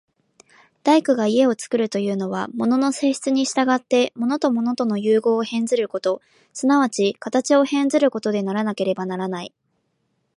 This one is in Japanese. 大工が家を造るというのは、物の性質に従って物と物との結合を変ずること、即ち形を変ずることでなければならない。